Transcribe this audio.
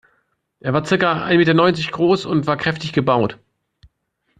Er war circa ein Meter neunzig groß und war kräftig gebaut.